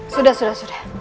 sudah sudah sudah